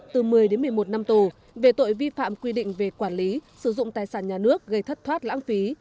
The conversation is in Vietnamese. từ một mươi đến một mươi một năm tù về tội vi phạm quy định về quản lý sử dụng tài sản nhà nước gây thất thoát lãng phí